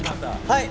はい。